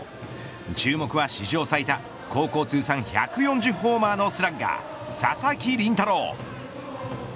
注目は史上最多、高校通算１４０ホーマーのスラッガー佐々木麟太郎。